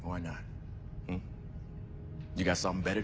うん？